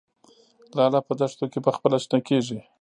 لاله په دښتو کې پخپله شنه کیږي